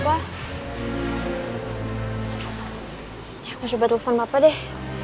ya aku coba telepon bapak deh